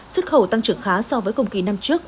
xuất khẩu tăng trưởng khá so với cùng kỳ năm trước